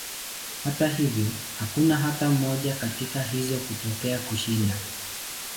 Hata hivyo, hakuna hata moja katika hizo kutokea kushinda.